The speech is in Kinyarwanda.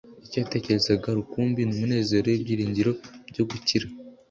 Icyo yatekerezaga rukumbi ni umunezero w'ibyiringiro byo gukira.